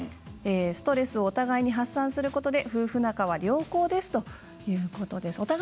ストレスをお互いに発散することで夫婦仲は良好ですということです。